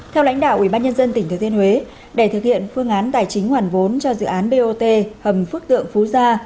theo lãnh đạo ubnd tỉnh thừa thiên huế để thực hiện phương án tài chính hoàn vốn cho dự án bot hầm phước tượng phú gia